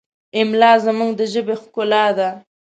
املا زموږ د ژبې ښکلا ده.